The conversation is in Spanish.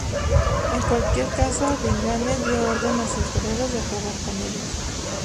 En cualquier caso, Dingane dio orden a sus guerreros de acabar con ellos.